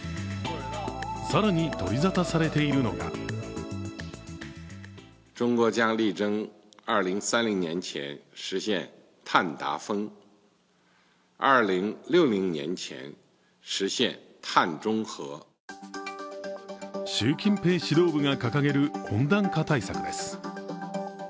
更に取り沙汰されているのが習近平指導部が掲げる温暖化対策です。